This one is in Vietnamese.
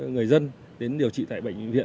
người dân đến điều trị tại bệnh viện